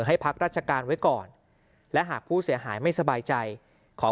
ให้พักราชการไว้ก่อนและหากผู้เสียหายไม่สบายใจขอ